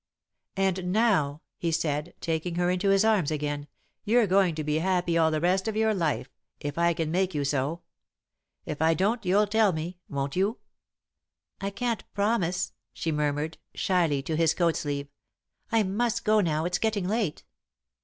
"And now," he said, taking her into his arms again, "you're going to be happy all the rest of your life, if I can make you so. If I don't you'll tell me, won't you?" "I can't promise," she murmured, shyly, to his coat sleeve. "I must go now, it's getting late."